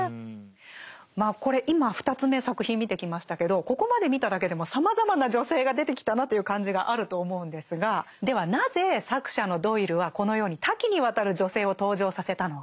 まあこれ今２つ目作品見てきましたけどここまで見ただけでもさまざまな女性が出てきたなという感じがあると思うんですがではなぜ作者のドイルはこのように多岐にわたる女性を登場させたのか。